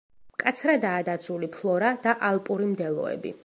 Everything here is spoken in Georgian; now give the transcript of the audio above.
მკაცრადაა დაცული ფლორა და ალპური მდელოები.